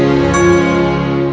amba akan menang